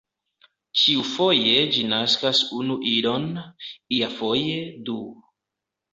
Ĉiufoje ĝi naskas unu idon, iafoje du.